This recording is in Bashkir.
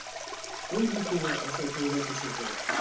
Ул бит мине ошо көнгә төшөрҙө!